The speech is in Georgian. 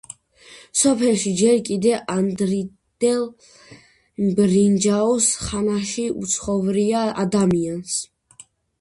სოფელში ჯერ კიდევ ადრინდელ ბრინჯაოს ხანაში უცხოვრია ადამიანს.